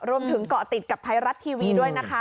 รวมถึงเกาะติดกับไทยรัฐทีวีด้วยนะคะ